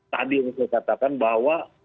tapi harusnya katakan bahwa